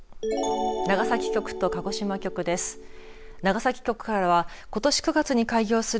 長崎局と鹿児島局です。